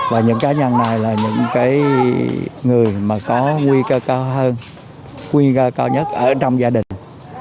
và những cá nhân này là những người mà có nguy cơ cao hơn nguy cơ cao nhất ở trong gia đình